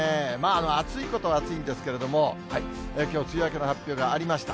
暑いことは暑いんですけれども、きょう、梅雨明けの発表がありました。